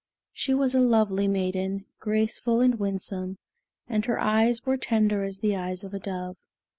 She was a lovely maiden, graceful and winsome, and her eyes were tender as the eyes of a dove.